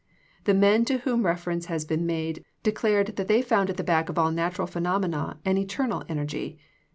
The men to whom reference has been made declared that they found at the back of all nat ural phenomena an eternal energy.